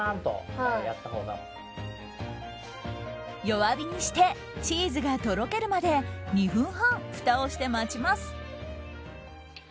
弱火にしてチーズがとろけるまで２分半、ふたをして待ちます。